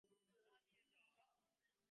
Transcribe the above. আমরা সবাই অজ্ঞান হয়ে যাবো!